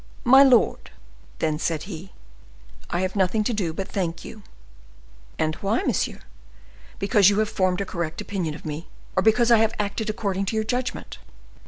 "My lord," then said he, "I have nothing to do but thank you." "And why, monsieur? Because you have formed a correct opinion of me, or because I have acted according to your judgment?